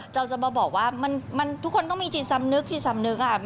เราจะมาบอกว่าทุกคนต้องมีจิตสำนึกจิตสำนึก